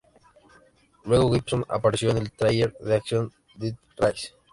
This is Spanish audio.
Luego, Gibson apareció en el thriller de acción "Death Race".